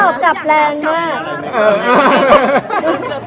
โอ้ยทุกคนคะพี่สงกันเมื่อกี้ค่ะ